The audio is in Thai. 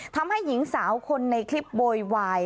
ทำให้หญิงสาวคนในคลิปโวยวาย